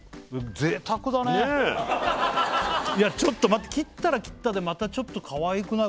贅沢だねいやちょっと待って切ったら切ったでまたちょっとかわいくない？